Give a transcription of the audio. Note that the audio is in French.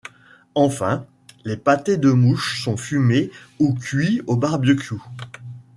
Enfin, les pâtés de mouches sont fumés ou cuits au barbecue.